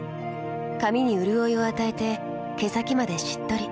髪にうるおいを与えて毛先までしっとり。